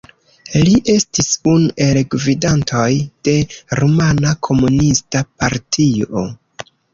Li estis unu el gvidantoj de Rumana Komunista Partio.